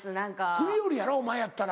ふりよるやろお前やったら。